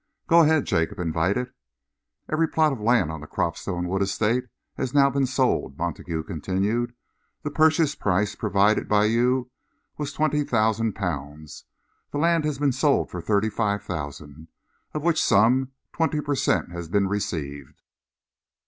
"Go ahead," Jacob invited. "Every plot of land on the Cropstone Wood Estate has now been sold," Montague continued. "The purchase price provided by you was twenty thousand pounds. The land has been sold for thirty five thousand, of which sum twenty per cent has been received."